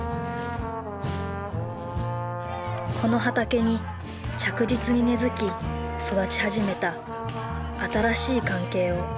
この畑に着実に根づき育ち始めた新しい関係を。